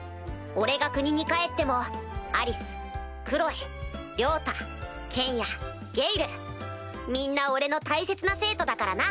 俺が国に帰ってもアリスクロエリョウタケンヤゲイルみんな俺の大切な生徒だからな！